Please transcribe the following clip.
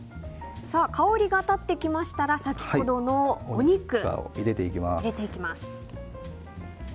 香りが立ってきましたら先ほどのお肉を入れていきます。